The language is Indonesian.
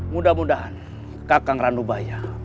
mudah mudahan kakang ranubaya